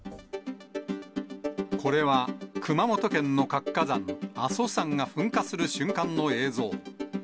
これは熊本県の活火山、阿蘇山が噴火する瞬間の映像。